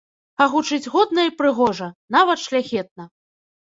А гучыць годна і прыгожа, нават шляхетна!